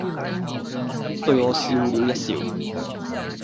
對我笑了一笑；